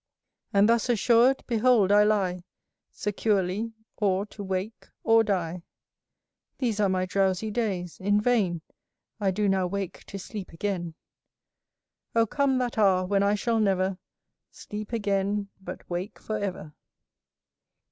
And thus assured, behold I lie Securely, or to wake or die. These are my drowsy days; in vain I do now wake to sleep again: Oh come that hour, when I shall never Sleep again, but wake for ever!